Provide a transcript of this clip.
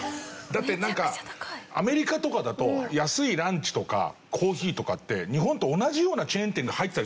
だってアメリカとかだと安いランチとかコーヒーとかって日本と同じようなチェーン店が入ってたりするじゃないですか。